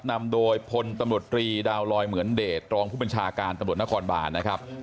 นำโดยพลตำรวจรีดาวลอยเหมือนเดชรองผู้บัญชาการตำรวจนครบานนะครับ